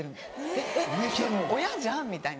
えっ親じゃん！みたいな。